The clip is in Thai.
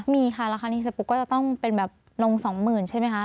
มีค่ะแล้วคันนี้สัปดาห์ก็จะต้องเป็นแบบลง๒๐๐๐๐ใช่ไหมคะ